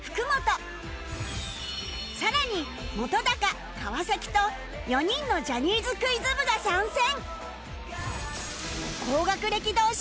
さらに本川と４人のジャニーズクイズ部が参戦！